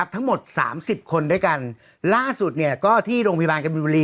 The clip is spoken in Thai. ทั้งหมด๓๐คนด้วยกันล่าสุดเนี่ยก็ที่โรงพยาบาลกรรมปิดว่า